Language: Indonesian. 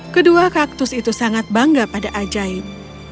kedua kaktus itu sangat bangga pada ajaib